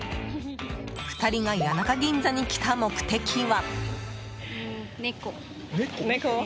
２人が谷中銀座に来た目的は。